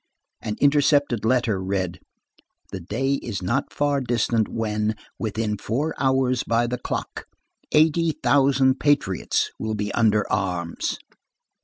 An intercepted letter read: "The day is not far distant when, within four hours by the clock, eighty thousand patriots will be under arms."